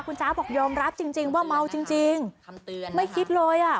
คุณจ๊ะบอกยอมรับจริงจริงว่าเมาจริงจริงคำเตือนไม่คิดเลยอ่ะ